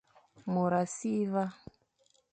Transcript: Môr a si va,